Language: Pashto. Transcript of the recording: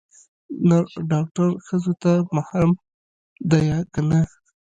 نر ډاکتر ښځو ته محرم ديه که نه.